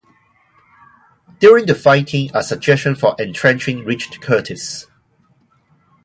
During the fighting a suggestion of entrenching reached Curtis.